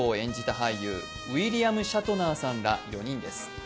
俳優ウィリアム・シャトナーら、４人です。